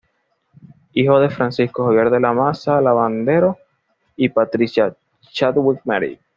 Hijo de Francisco Javier de la Maza Lavandero y Patricia Chadwick Mery.